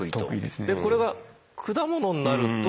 でこれが果物になると。